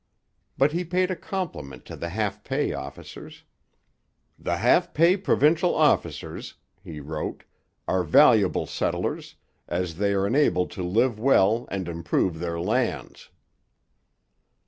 But he paid a compliment to the half pay officers. 'The half pay provincial officers,' he wrote, 'are valuable settlers, as they are enabled to live well and improve their lands.'